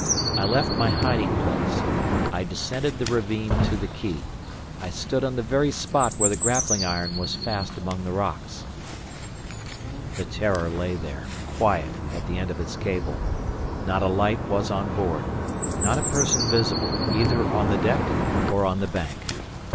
I left my hiding place; I descended the ravine to the quay; I stood on the very spot where the grappling iron was fast among the rocks. The "Terror" lay there, quiet at the end of its cable. Not a light was on board; not a person visible, either on the deck, or on the bank.